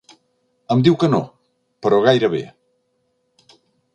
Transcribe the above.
Em diu que no, però gairebé.